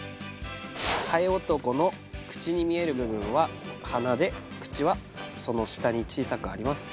ハエ男の口に見える部分は鼻で口はその下に小さくあります